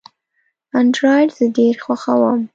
انډرایډ زه ډېر خوښوم.